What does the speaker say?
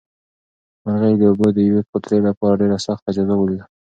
مرغۍ د اوبو د یوې قطرې لپاره ډېره سخته جزا ولیده.